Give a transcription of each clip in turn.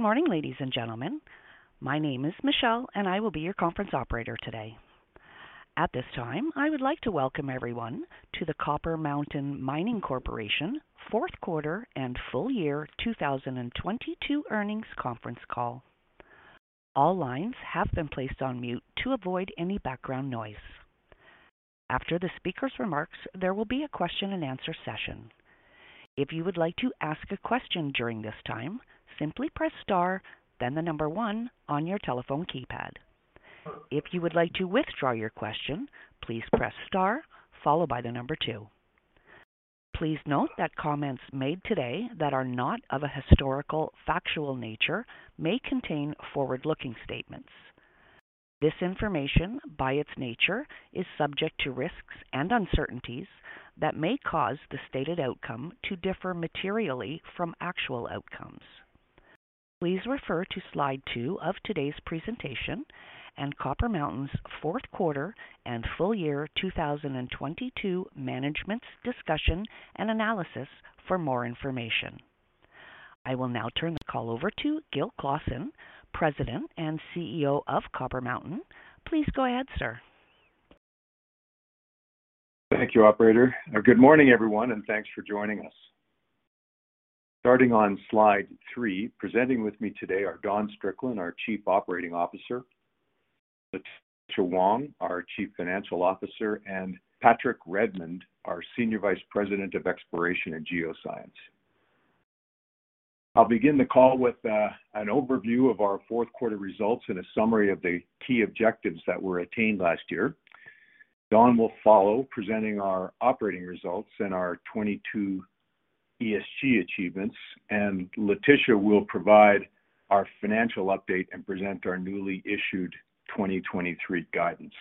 Good morning, ladies and gentlemen. My name is Michelle, and I will be your conference operator today. At this time, I would like to welcome everyone to the Copper Mountain Mining Corporation fourth quarter and full year 2022 earnings Conference Call. All lines have been placed on mute to avoid any background noise. After the speaker's remarks, there will be a question and answer session. If you would like to ask a question during this time, simply Press Star, then the one on your telephone keypad. If you would like to withdraw your question, please Press Star followed by the two. Please note that comments made today that are not of a historical factual nature may contain forward-looking statements. This information, by its nature, is subject to risks and uncertainties that may cause the stated outcome to differ materially from actual outcomes. Please refer to slide two of today's presentation and Copper Mountain's fourth quarter and full year 2022 management's discussion and analysis for more information. I will now turn the call over to Gil Clausen, President and CEO of Copper Mountain. Please go ahead, sir. Thank you, operator. Good morning, everyone, thanks for joining us. Starting on slide three, presenting with me today are Don Strickland, our Chief Operating Officer, Letitia Wong, our Chief Financial Officer, and Patrick Redmond, our Senior Vice President of Exploration and Geoscience. I'll begin the call with an overview of our fourth quarter results and a summary of the key objectives that were attained last year. Don will follow, presenting our operating results and our 2022 ESG achievements, and Letitia will provide our financial update and present our newly issued 2023 guidance.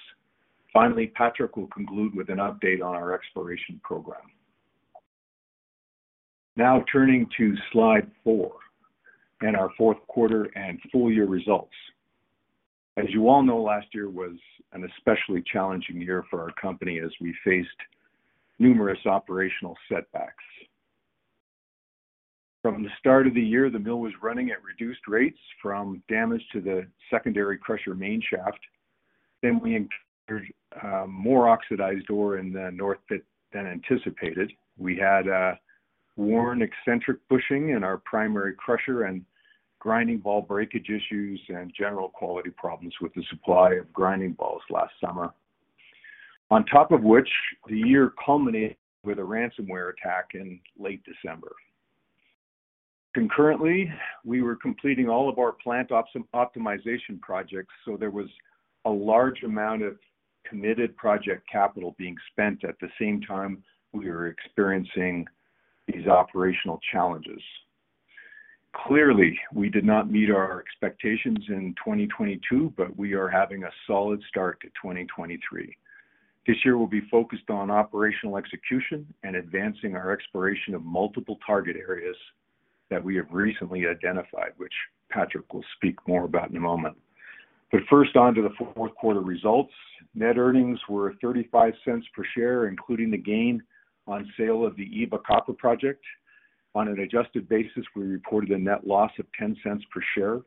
Patrick will conclude with an update on our exploration program. Turning to slide f and our fourth quarter and full year results. As you all know, last year was an especially challenging year for our company as we faced numerous operational setbacks. From the start of the year, the mill was running at reduced rates from damage to the secondary crusher main shaft. We encountered more oxidized ore in the north pit than anticipated. We had a worn eccentric bushing in our primary crusher and grinding ball breakage issues and general quality problems with the supply of grinding balls last summer. On top of which, the year culminated with a ransomware attack in late December. Concurrently, we were completing all of our plant optimization projects, there was a large amount of committed project capital being spent at the same time we were experiencing these operational challenges. Clearly, we did not meet our expectations in 2022, we are having a solid start to 2023. This year, we'll be focused on operational execution and advancing our exploration of multiple target areas that we have recently identified, which Patrick will speak more about in a moment. First, on to the fourth quarter results. Net earnings were $0.35 per share, including the gain on sale of the Eva Copper Project. On an adjusted basis, we reported a net loss of $0.10 per share.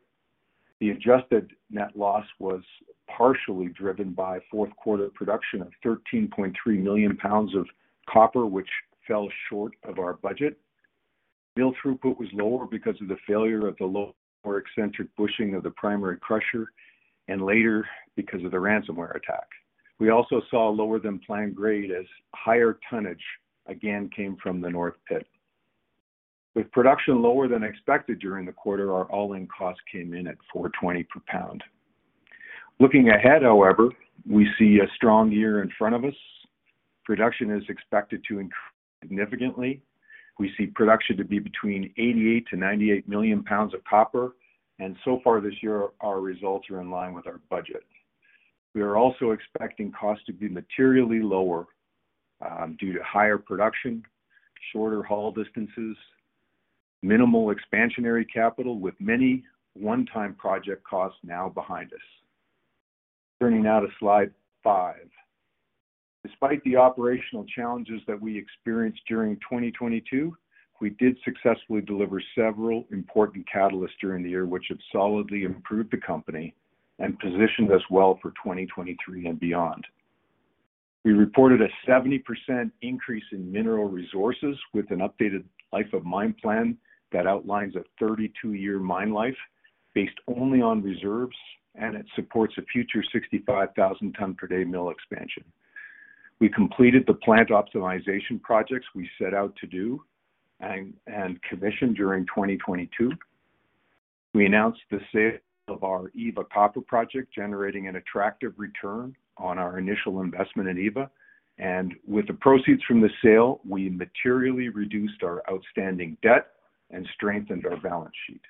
The adjusted net loss was partially driven by fourth quarter production of 13.3 million pounds of copper, which fell short of our budget. Mill throughput was lower because of the failure of the lower eccentric bushing of the primary crusher, and later because of the ransomware attack. We also saw lower than planned grade as higher tonnage again came from the north pit. With production lower than expected during the quarter, our all-in cost came in at $4.20 per pound. Looking ahead, however, we see a strong year in front of us. Production is expected to increase significantly. We see production to be between 88 million-98 million pounds of copper. So far this year, our results are in line with our budget. We are also expecting cost to be materially lower due to higher production, shorter haul distances, minimal expansionary capital with many one-time project costs now behind us. Turning now to slide five. Despite the operational challenges that we experienced during 2022, we did successfully deliver several important catalysts during the year, which have solidly improved the company and positioned us well for 2023 and beyond. We reported a 70% increase in mineral resources with an updated life of mine plan that outlines a 32-year mine life based only on reserves, and it supports a future 65,000 ton per day mill expansion. We completed the plant optimization projects we set out to do and commissioned during 2022. We announced the sale of our Eva Copper Project, generating an attractive return on our initial investment in Eva. With the proceeds from the sale, we materially reduced our outstanding debt and strengthened our balance sheet.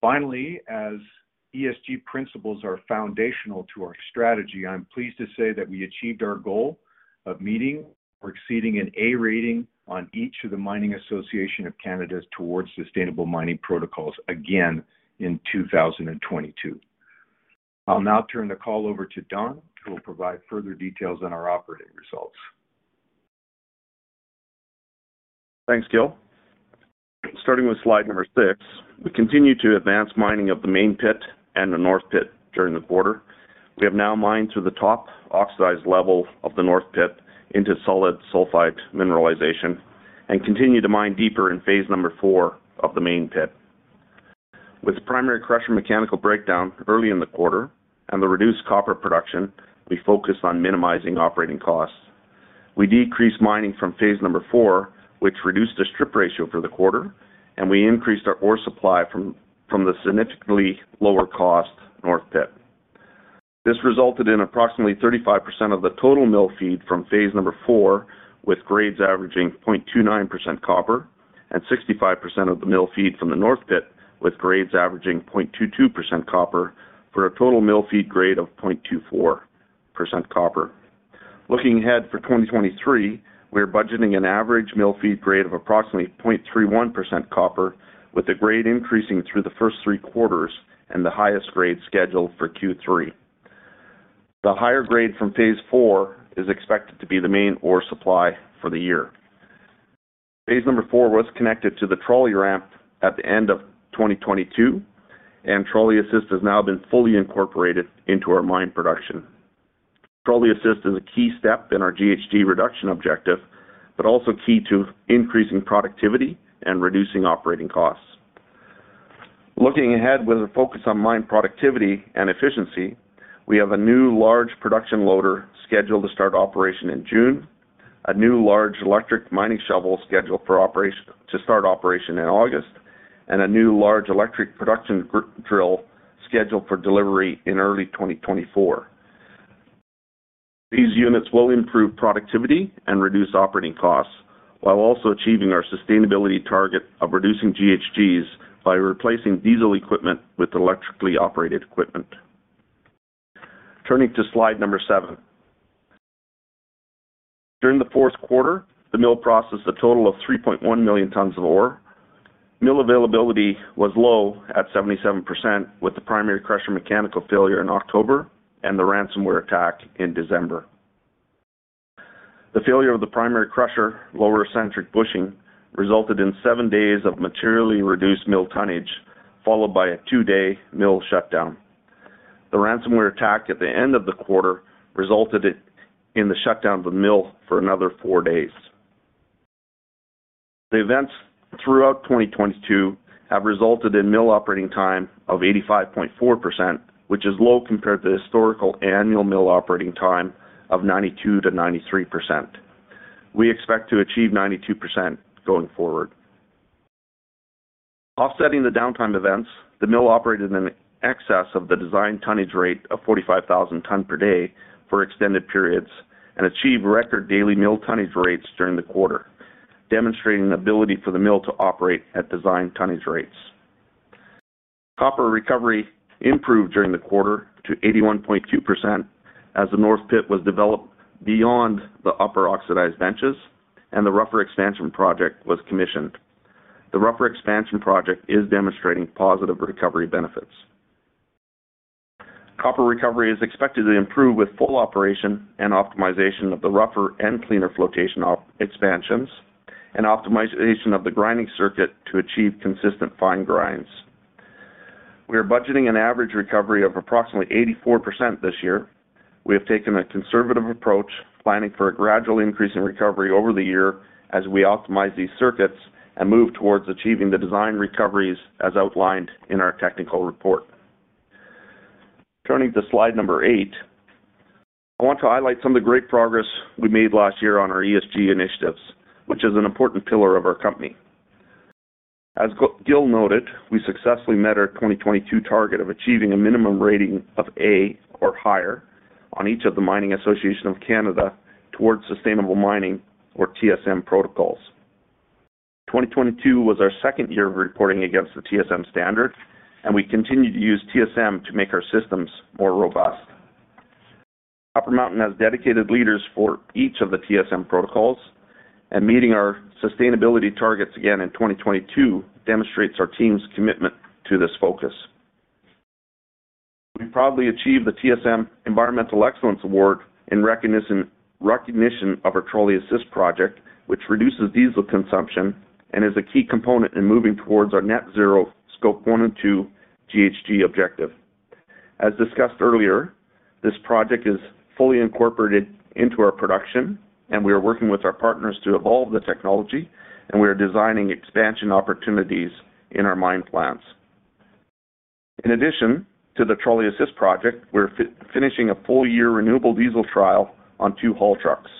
Finally, as ESG principles are foundational to our strategy, I'm pleased to say that we achieved our goal of meeting or exceeding an A rating on each of the Mining Association of Canada's Towards Sustainable Mining protocols again in 2022. I'll now turn the call over to Don, who will provide further details on our operating results. Thanks, Gil. Starting with slide number six, we continue to advance mining of the main pit and the north pit during the quarter. We have now mined through the top oxidized level of the north pit into solid sulfide mineralization and continue to mine deeper in phase IV of the main pit. With primary crusher mechanical breakdown early in the quarter and the reduced copper production, we focused on minimizing operating costs. We decreased mining from phase IV, which reduced the strip ratio for the quarter, and we increased our ore supply from the significantly lower cost north pit. This resulted in approximately 35% of the total mill feed from phase numberfour, with grades averaging 0.29% copper and 65% of the mill feed from the north pit, with grades averaging 0.22% copper for a total mill feed grade of 0.24% copper. Looking ahead for 2023, we are budgeting an average mill feed grade of approximately 0.31% copper, with the grade increasing through the first three quarters and the highest grade scheduled for Q3. The higher grade from phase IV is expected to be the main ore supply for the year. Phase number four was connected to the trolley ramp at the end of 2022, and trolley assist has now been fully incorporated into our mine production. Trolley assist is a key step in our GHG reduction objective, also key to increasing productivity and reducing operating costs. Looking ahead with a focus on mine productivity and efficiency, we have a new large production loader scheduled to start operation in June, a new large electric mining shovel scheduled to start operation in August, a new large electric production g-drill scheduled for delivery in early 2024. These units will improve productivity and reduce operating costs while also achieving our sustainability target of reducing GHGs by replacing diesel equipment with electrically operated equipment. Turning to slide number seven. During the fourth quarter, the mill processed a total of 3.1 million tons of ore. Mill availability was low at 77%, with the primary crusher mechanical failure in October and the ransomware attack in December. The failure of the primary crusher, lower eccentric bushing, resulted in seven days of materially reduced mill tonnage, followed by a two day mill shutdown. The ransomware attack at the end of the quarter resulted in the shutdown of the mill for anotherfour days. The events throughout 2022 have resulted in mill operating time of 85.4%, which is low compared to the historical annual mill operating time of 92%-93%. We expect to achieve 92% going forward. Offsetting the downtime events, the mill operated in excess of the design tonnage rate offour5,000 tons per day for extended periods and achieved record daily mill tonnage rates during the quarter, demonstrating an ability for the mill to operate at design tonnage rates. Copper recovery improved during the quarter to 81.2% as the north pit was developed beyond the upper oxidized benches and the rougher expansion project was commissioned. The rougher expansion project is demonstrating positive recovery benefits. Copper recovery is expected to improve with full operation and optimization of the rougher and cleaner flotation expansions and optimization of the grinding circuit to achieve consistent fine grinds. We are budgeting an average recovery of approximately 84% this year. We have taken a conservative approach, planning for a gradual increase in recovery over the year as we optimize these circuits and move towards achieving the design recoveries as outlined in our technical report. Turning to slide number, I want to highlight some of the great progress we made last year on our ESG initiatives, which is an important pillar of our company. As Gil noted, we successfully met our 2022 target of achieving a minimum rating of A or higher on each of the Mining Association of Canada Towards Sustainable Mining, or TSM protocols. 2022 was our second year of reporting against the TSM standard, we continue to use TSM to make our systems more robust. Copper Mountain has dedicated leaders for each of the TSM protocols, meeting our sustainability targets again in 2022 demonstrates our team's commitment to this focus. We proudly achieved the TSM Environmental Excellence Award in recognition of our Trolley Assist project, which reduces diesel consumption and is a key component in moving towards our net zero Scope 2 GHG objective. As discussed earlier, this project is fully incorporated into our production. We are working with our partners to evolve the technology. We are designing expansion opportunities in our mine plans. In addition to the Trolley Assist project, we're finishing a full year renewable diesel trial on two haul trucks.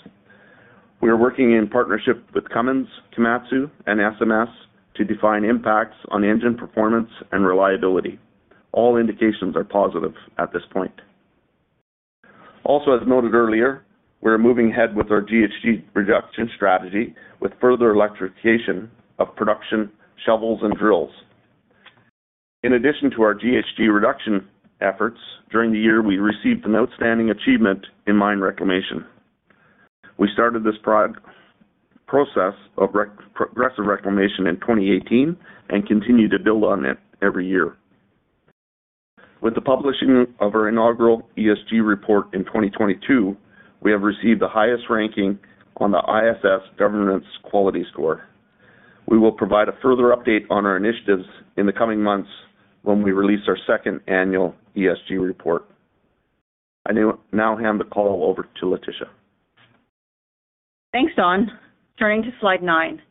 We are working in partnership with Cummins, Komatsu, and SMS to define impacts on engine performance and reliability. All indications are positive at this point. As noted earlier, we're moving ahead with our GHG reduction strategy with further electrification of production shovels and drills. In addition to our GHG reduction efforts, during the year, we received an outstanding achievement in mine reclamation. We started this process of progressive reclamation in 2018 and continue to build on it every year. With the publishing of our inaugural ESG report in 2022, we have received the highest ranking on the ISS Governance QualityScore. We will provide a further update on our initiatives in the coming months when we release our second annual ESG report. I now hand the call over to Letitia. Thanks, Don. Turning to slide 9.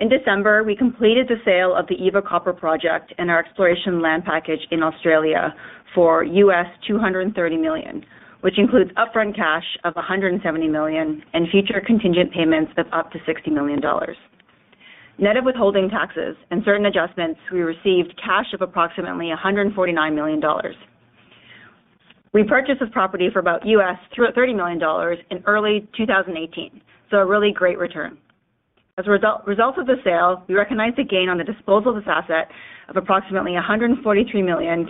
In December, we completed the sale of the Eva Copper Project and our exploration land package in Australia for $230 million, which includes upfront cash of $170 million and future contingent payments of up to $60 million. Net of withholding taxes and certain adjustments, we received cash of approximately $149 million. We purchased this property for about $230 million in early 2018. A really great return. As a result of the sale, we recognized a gain on the disposal of this asset of approximately 143 million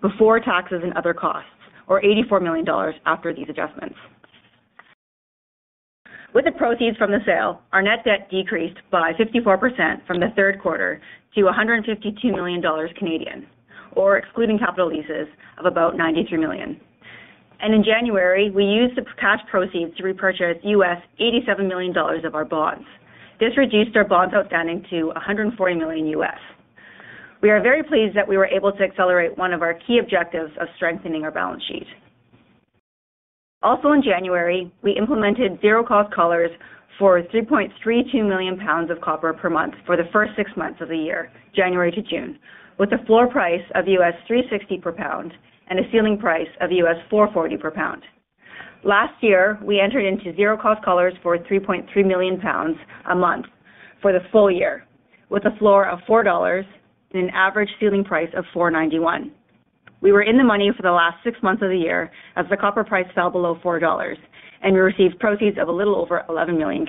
before taxes and other costs, or $84 million after these adjustments. With the proceeds from the sale, our net debt decreased by 54% from the third quarter to 152 million Canadian dollars or excluding capital leases of about 93 million. In January, we used the cash proceeds to repurchase $87 million of our bonds. This reduced our bonds outstanding to $140 million. We are very pleased that we were able to accelerate one of our key objectives of strengthening our balance sheet. In January, we implemented zero-cost collars for 3.32 million pounds of copper per month for the first six months of the year, January to June, with a floor price of $3.60 per pound and a ceiling price of $4.40 per pound. Last year, we entered into zero-cost collars for 3.3 million pounds a month for the full year with a floor of $4 and an average ceiling price of $4.91. We were in the money for the last six months of the year as the copper price fell below $4. We received proceeds of a little over 11 million.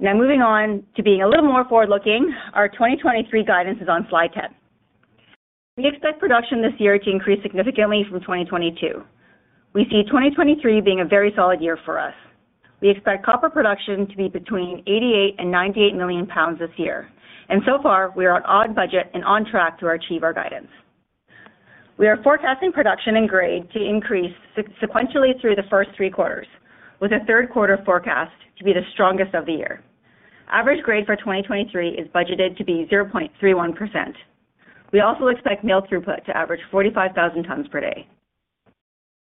Moving on to being a little more forward-looking, our 2023 guidance is on slide 10. We expect production this year to increase significantly from 2022. We see 2023 being a very solid year for us. We expect copper production to be between 88 million and 98 million pounds this year. So far, we are on budget and on track to achieve our guidance. We are forecasting production and grade to increase sequentially through the first three quarters, with the third quarter forecast to be the strongest of the year. Average grade for 2023 is budgeted to be 0.31%. We also expect mill throughput to averagefour5,000 tons per day.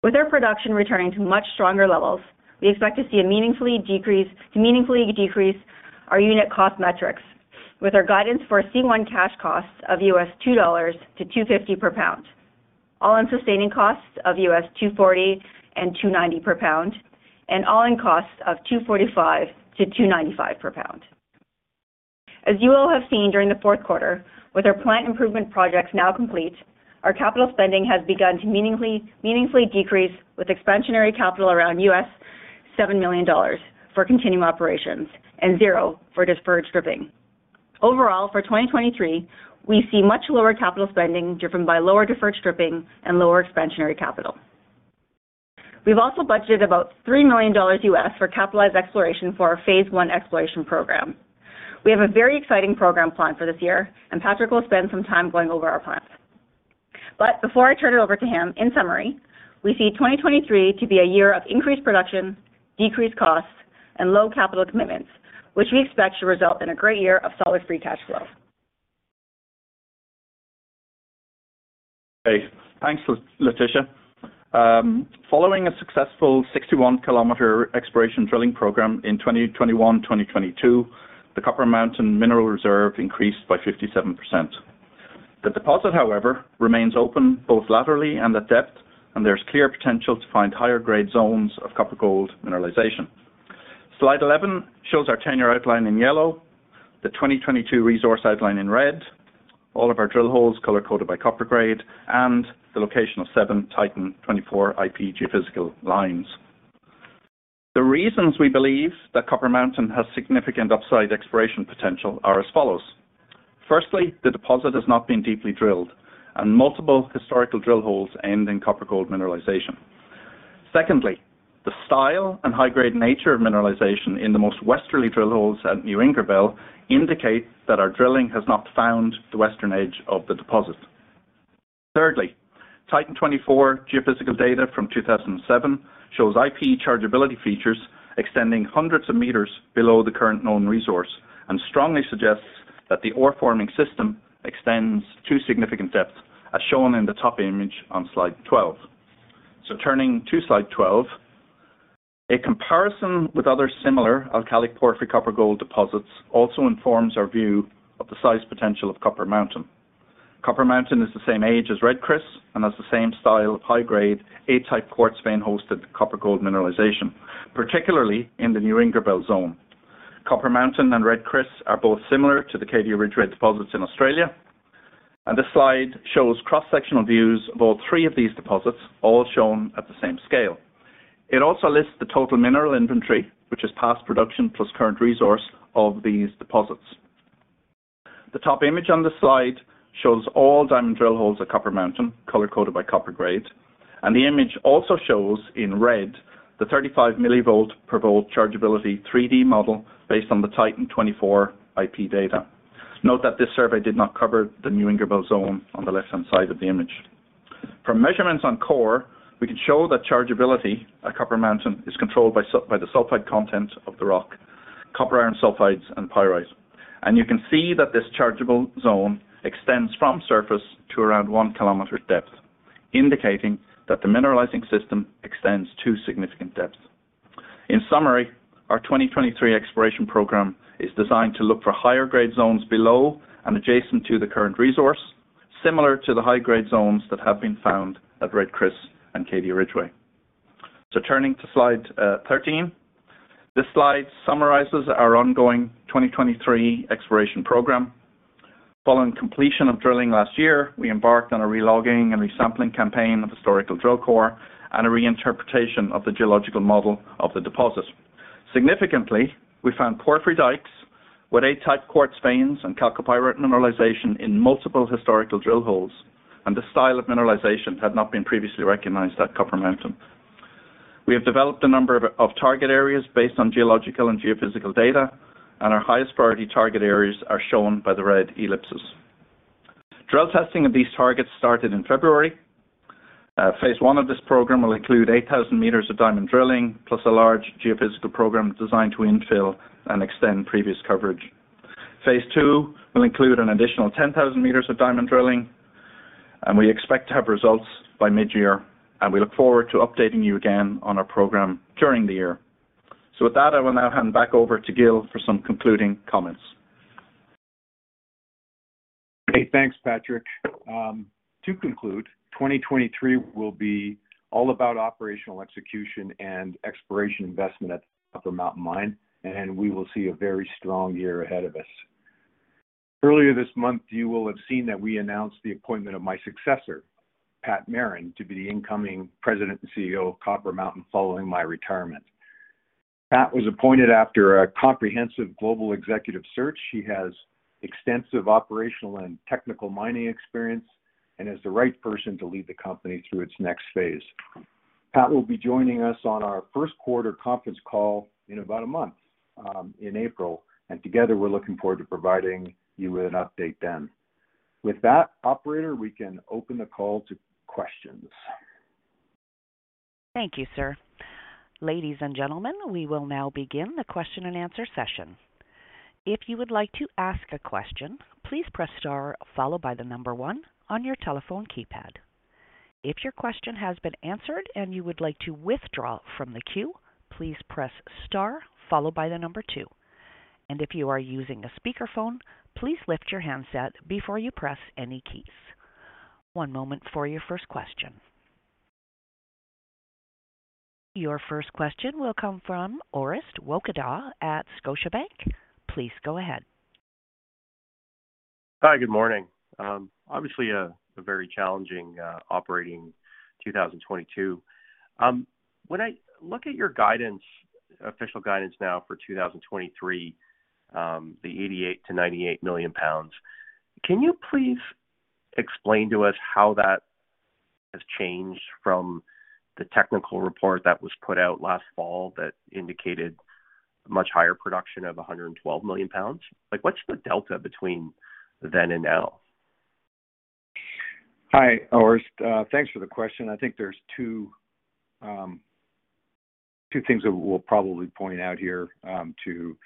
With our production returning to much stronger levels, we expect to meaningfully decrease our unit cost metrics with our guidance for C1 cash costs of US$2.00-$2.50 per pound, all-in sustaining costs of US$2.40-$2.90 per pound, and all-in costs of $2.45-$2.95 per pound. As you all have seen during the fourth quarter, with our plant improvement projects now complete, our capital spending has begun to meaningfully decrease with expansionary capital around $7 million for continuing operations and 0 for deferred stripping. Overall, for 2023, we see much lower capital spending driven by lower deferred stripping and lower expansionary capital. We've also budgeted about $3 million for capitalized exploration for our Phase I exploration program. We have a very exciting program plan for this year. Patrick will spend some time going over our plans. Before I turn it over to him, in summary, we see 2023 to be a year of increased production, decreased costs, and low capital commitments, which we expect should result in a great year of solid free cash flow. Okay, thanks, Letitia. Following a successful 61-kilometer exploration drilling program in 2021, 2022, the Copper Mountain mineral reserve increased by 57%. The deposit, however, remains open both laterally and at depth, and there's clear potential to find higher grade zones of copper gold mineralization. Slide 11 shows our tenure outline in yellow, the 2022 resource outline in red, all of our drill holes color-coded by copper grade, and the location of seven Titan 24 IP geophysical lines. The reasons we believe that Copper Mountain has significant upside exploration potential are as follows. Firstly, the deposit has not been deeply drilled, and multiple historical drill holes end in copper gold mineralization. Secondly, the style and high grade nature of mineralization in the most westerly drill holes at New Ingerbelle indicate that our drilling has not found the western edge of the deposit. Thirdly, Titan 24 geophysical data from 2007 shows IP chargeability features extending hundreds of meters below the current known resource and strongly suggests that the ore-forming system extends to significant depth, as shown in the top image on slide 12. Turning to slide 12, a comparison with other similar alkalic porphyry copper-gold deposits also informs our view of the size potential of Copper Mountain. Copper Mountain is the same age as Red Chris and has the same style of high grade A-type quartz vein-hosted copper gold mineralization, particularly in the New Ingerbelle zone. Copper Mountain and Red Chris are both similar to the Cadia-Ridgeway deposits in Australia. This slide shows cross-sectional views of all three of these deposits, all shown at the same scale. It also lists the total mineral inventory, which is past production plus current resource of these deposits. The top image on this slide shows all diamond drill holes at Copper Mountain, color-coded by copper grade. The image also shows in red the 35 millivolt per volt chargeability 3D model based on the Titan 24 IP data. Note that this survey did not cover the New Ingerbelle zone on the left-hand side of the image. From measurements on core, we can show that chargeability at Copper Mountain is controlled by the sulfide content of the rock, copper iron sulfides, and pyrite. You can see that this chargeable zone extends from surface to around 1 kilometer depth, indicating that the mineralizing system extends to significant depth. In summary, our 2023 exploration program is designed to look for higher grade zones below and adjacent to the current resource, similar to the high grade zones that have been found at Red Chris and Cadia-Ridgeway. Turning to slide 13. This slide summarizes our ongoing 2023 exploration program. Following completion of drilling last year, we embarked on a re-logging and resampling campaign of historical drill core and a reinterpretation of the geological model of the deposit. Significantly, we found porphyry dikes with A-type quartz veins and chalcopyrite mineralization in multiple historical drill holes, and this style of mineralization had not been previously recognized at Copper Mountain. We have developed a number of target areas based on geological and geophysical data, and our highest priority target areas are shown by the red ellipses. Drill testing of these targets started in February. Phase 1 of this program will include 8,000 meters of diamond drilling, plus a large geophysical program designed to infill and extend previous coverage. Phase two will include an additional 10,000 meters of diamond drilling, and we expect to have results by mid-year, and we look forward to updating you again on our program during the year. With that, I will now hand back over to Gil for some concluding comments. Okay, thanks, Patrick. To conclude, 2023 will be all about operational execution and exploration investment at Copper Mountain Mine. We will see a very strong year ahead of us. Earlier this month, you will have seen that we announced the appointment of my successor, Patrick Merrin, to be the incoming President and CEO of Copper Mountain following my retirement. Pat was appointed after a comprehensive global executive search. He has extensive operational and technical mining experience and is the right person to lead the company through its next phase. Pat will be joining us on our first quarter conference call in about a month in April. Together, we're looking forward to providing you with an update then. With that, Operator, we can open the call to questions. Thank you, sir. Ladies and gentlemen, we will now begin the question and answer session. If you would like to ask a question, please press star followed by one on your telephone keypad. If your question has been answered and you would like to withdraw from the queue, please press star followed by two. If you are using a speakerphone, please lift your handset before you press any keys. One moment for your first question. Your first question will come from Orest Wowkodaw at Scotiabank. Please go ahead. Hi, good morning. obviously a very challenging operating 2022. When I look at your guidance, official guidance now for 2023, the 88 million-98 million pounds, can you please explain to us how that has changed from the technical report that was put out last fall that indicated much higher production of 112 million pounds? Like, what's the delta between then and now? Hi, Orest. Thanks for the question. I think there's two things that we'll probably point out here to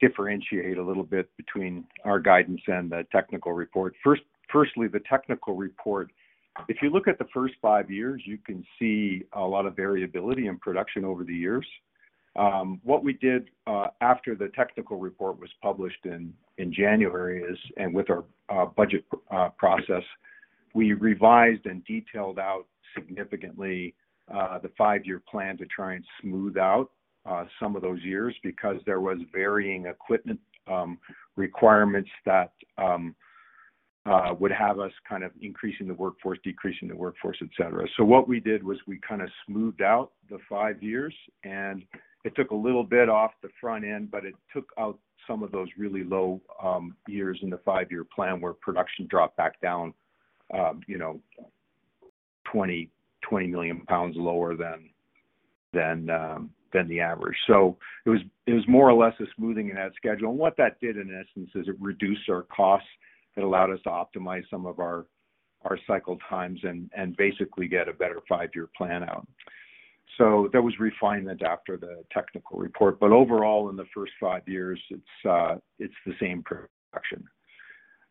differentiate a little bit between our guidance and the technical report. Firstly, the technical report. If you look at the first 5 years, you can see a lot of variability in production over the years. What we did after the technical report was published in January is, with our budget process, we revised and detailed out significantly the 5-year plan to try and smooth out some of those years because there was varying equipment requirements that would have us kind of increasing the workforce, decreasing the workforce, et cetera. What we did was we kind of smoothed out the five years, and it took a little bit off the front end, but it took out some of those really low years in the five-year plan where production dropped back down, you know, 20 million pounds lower than the average. It was more or less a smoothing in that schedule. What that did, in essence, is it reduced our costs. It allowed us to optimize some of our cycle times and basically get a better five-year plan out. That was refined after the technical report, but overall in the first 5 years, it's the same production.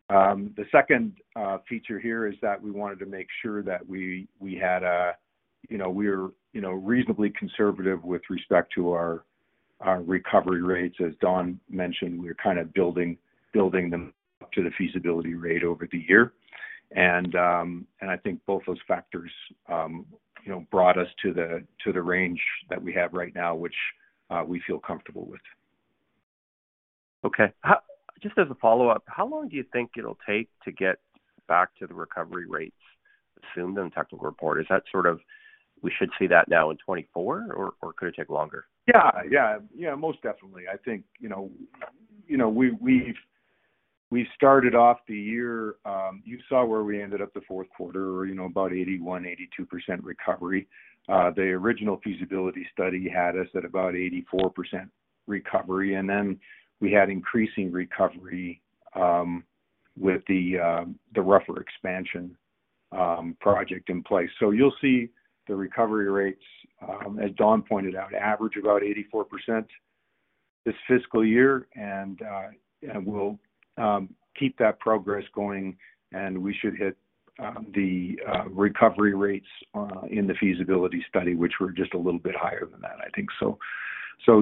The second feature here is that we wanted to make sure that we had a. You know, we were, you know, reasonably conservative with respect to our recovery rates. As Don mentioned, we're kind of building them up to the feasibility rate over the year. I think both those factors, you know, brought us to the, to the range that we have right now, which we feel comfortable with. Okay. Just as a follow-up, how long do you think it'll take to get back to the recovery rates assumed in the technical report? Is that sort of we should see that now in 2024, or could it take longer? Yeah. Yeah. Yeah, most definitely. I think, you know, we started off the year, you saw where we ended up the fourth quarter, about 81%-82% recovery. The original feasibility study had us at about 84% recovery, and then we had increasing recovery, with the rougher expansion project in place. You'll see the recovery rates, as Don pointed out, average about 84% this fiscal year, and we'll keep that progress going, and we should hit the recovery rates in the feasibility study, which were just a little bit higher than that, I think so.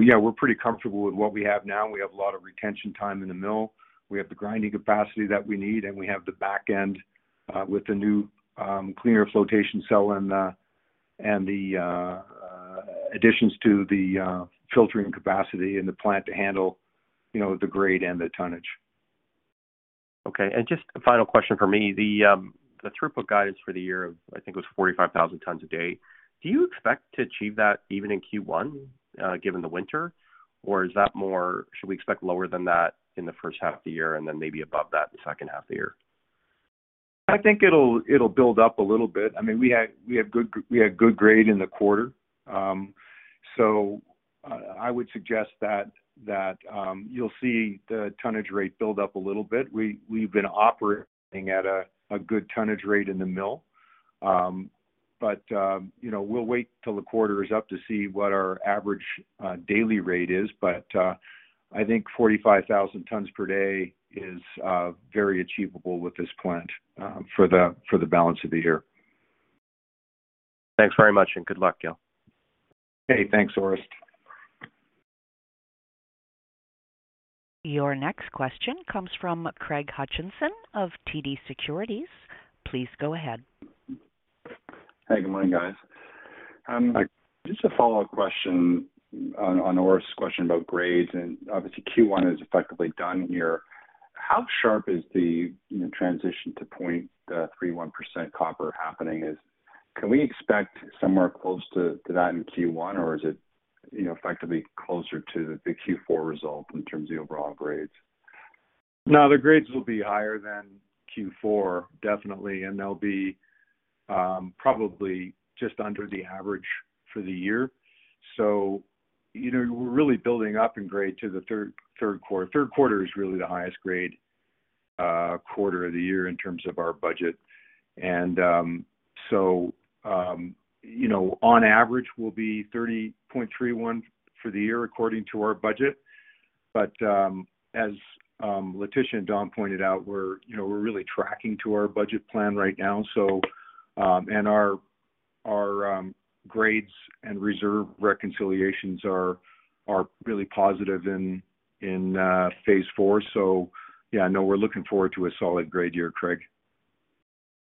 Yeah, we're pretty comfortable with what we have now. We have a lot of retention time in the mill. We have the grinding capacity that we need, and we have the back end, with the new cleaner flotation cell and the additions to the filtering capacity in the plant to handle, you know, the grade and the tonnage. Okay. Just a final question for me. The throughput guidance for the year, I think it wasfour5,000 tons a day. Do you expect to achieve that even in Q1, given the winter? Is that more should we expect lower than that in the first half of the year and then maybe above that in the second half of the year? I think it'll build up a little bit. I mean, we have good grade in the quarter. I would suggest that you'll see the tonnage rate build up a little bit. We've been operating at a good tonnage rate in the mill. You know, we'll wait till the quarter is up to see what our average daily rate is. I thinkfour5,000 tons per day is very achievable with this plant for the balance of the year. Thanks very much and good luck y'all. Okay. Thanks, Orest. Your next question comes from Craig Hutchison of TD Securities. Please go ahead. Hey, good morning, guys. Just a follow-up question on Orest's question about grades. Obviously Q1 is effectively done here. How sharp is the, you know, transition to 0.31% copper happening is? Can we expect somewhere close to that in Q1, or is it, you know, effectively closer to the Q4 result in terms of the overall grades? The grades will be higher than Q4, definitely, and they'll be probably just under the average for the year. You know, we're really building up in grade to the third quarter. Third quarter is really the highest grade quarter of the year in terms of our budget. You know, on average, we'll be 30.31 for the year according to our budget. As Letitia and Don pointed out, we're, you know, we're really tracking to our budget plan right now. And our grades and reserve reconciliations are really positive in phase IV. Yeah, no, we're looking forward to a solid grade year, Craig.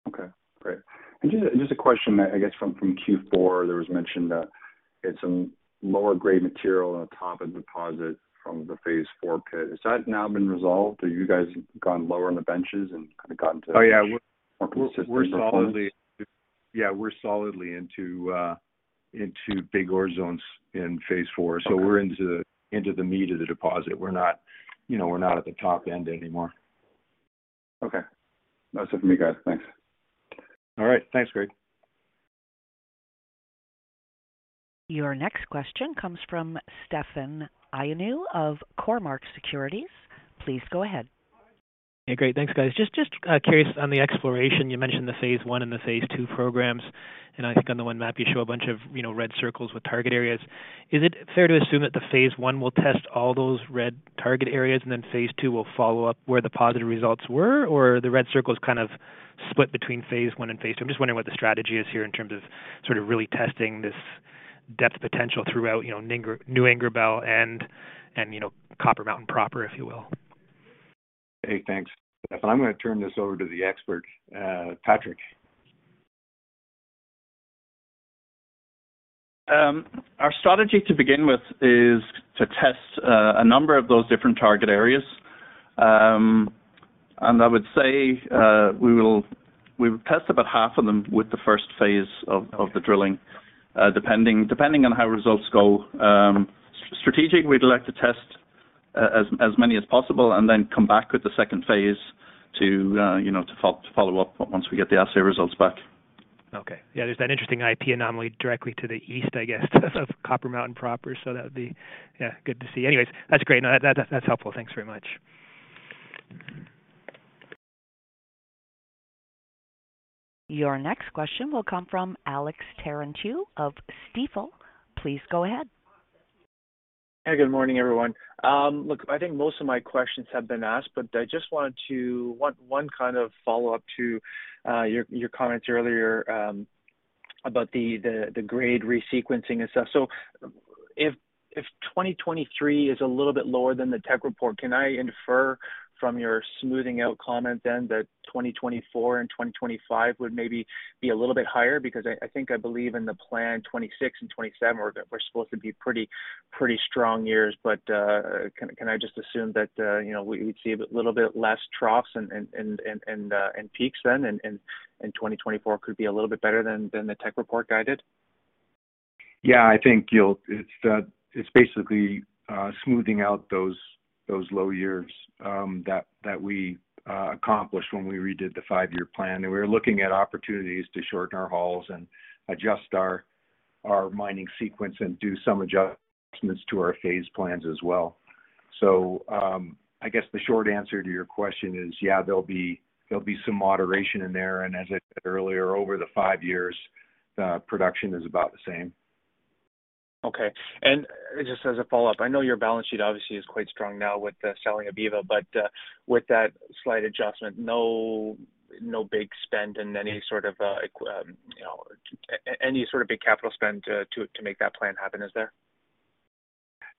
Okay, great. Just a question I guess from Q4, there was mention that it's some lower grade material on top of deposit from the phase IV pit. Has that now been resolved? You guys gone lower on the benches and kinda gotten. Oh, yeah. More consistent performance. Yeah, we're solidly into big ore zones in phase four. Okay. We're into the meat of the deposit. We're not, you know, we're not at the top end anymore. Okay. That's it for me, guys. Thanks. All right. Thanks, Craig. Your next question comes from Stefan Ioannou of Cormark Securities. Please go ahead. Yeah, great. Thanks, guys. Just curious on the exploration. You mentioned the phase I and the phase II programs, and I think on the one map you show a bunch of, you know, red circles with target areas. Is it fair to assume that the phase I will test all those red target areas and then phase II will follow up where the positive results were? Are the red circles kind of split between phase I and phase II? I'm just wondering what the strategy is here in terms of sort of really testing this depth potential throughout, you know, New Ingerbelle and, you know, Copper Mountain Proper, if you will. Hey, thanks. I'm gonna turn this over to the expert, Patrick. Our strategy to begin with is to test a number of those different target areas. I would say, we will test about half of them with the first phase of the drilling, depending on how results go. Strategic, we'd like to test as many as possible and then come back with the second phase to, you know, to follow up once we get the assay results back. Okay. Yeah. There's that interesting IP anomaly directly to the east, I guess, of Copper Mountain proper. That would be, yeah, good to see. That's great. No, that's helpful. Thanks very much. Your next question will come from Alex Terentiew of Stifel. Please go ahead. Hey, good morning, everyone. look, I think most of my questions have been asked, but I just wanted to want one kind of follow-up to your comments earlier about the grade resequencing and stuff. If 2023 is a little bit lower than the tech report, can I infer from your smoothing out comment then that 2024 and 2025 would maybe be a little bit higher? Because I think I believe in the plan 2026 and 2027 were supposed to be pretty strong years, can I just assume that, you know, we'd see a little bit less troughs and peaks then and 2024 could be a little bit better than the tech report guided? Yeah, I think, Gil, it's that it's basically smoothing out those low years that we accomplished when we redid the 5-year plan. We're looking at opportunities to shorten our hauls and adjust our mining sequence and do some adjustments to our phase plans as well. I guess the short answer to your question is yes, there'll be some moderation in there, and as I said earlier, over the five years, production is about the same. Okay. Just as a follow-up, I know your balance sheet obviously is quite strong now with selling Eva Copper Project, but, with that slight adjustment, no big spend in any sort of, you know, any sort of big capital spend to make that plan happen, is there?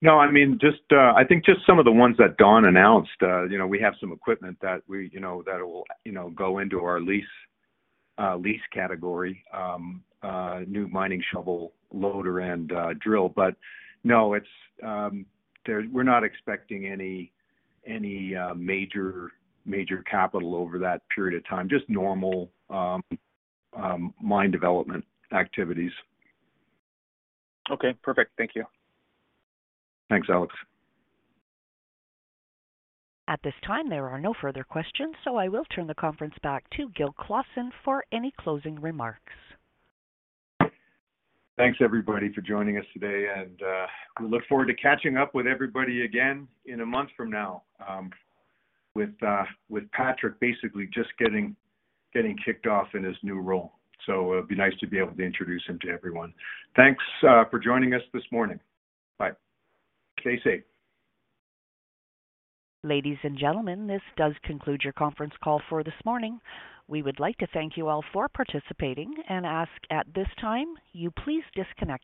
No, I mean, just, I think just some of the ones that Don announced. You know, we have some equipment that we, you know, that will, you know, go into our lease category, new mining shovel loader and drill. No, it's. We're not expecting any major capital over that period of time. Just normal mine development activities. Okay, perfect. Thank you. Thanks, Alex. At this time, there are no further questions, so I will turn the conference back to Gil Clausen for any closing remarks. Thanks everybody for joining us today, and we look forward to catching up with everybody again in a month from now, with Patrick basically just getting kicked off in his new role. It'll be nice to be able to introduce him to everyone. Thanks for joining us this morning. Bye. Stay safe. Ladies and gentlemen, this does conclude your conference call for this morning. We would like to thank you all for participating and ask at this time you please disconnect.